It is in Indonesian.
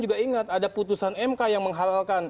juga ingat ada putusan mk yang menghalalkan